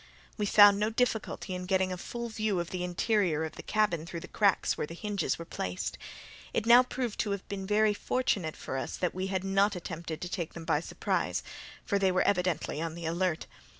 We found no difficulty in getting a full view of the interior of the cabin through the cracks where the hinges were placed. It now proved to have been very fortunate for us that we had not attempted to take them by surprise, for they were evidently on the alert.